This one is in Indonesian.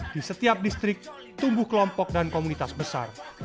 di setiap distrik tumbuh kelompok dan komunitas besar